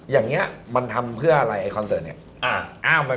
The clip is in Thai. อย่างนี้มันทำเพื่ออะไรไอ้คอนเสิร์ตเนี่ย